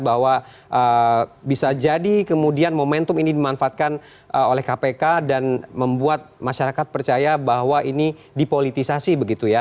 bahwa bisa jadi kemudian momentum ini dimanfaatkan oleh kpk dan membuat masyarakat percaya bahwa ini dipolitisasi begitu ya